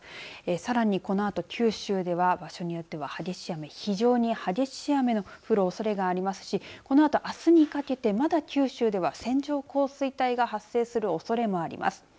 さらにこのあと九州では場所によっては激しい雨非常に激しい雨の降るおそれがありますしこのあと、あすにかけてもまだ九州では線状降水帯が発生するおそれもあります。